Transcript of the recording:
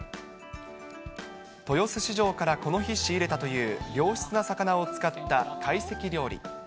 豊洲市場からこの日仕入れたという良質な魚を使った会席料理。